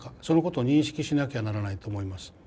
そのことを認識しなきゃならないと思います。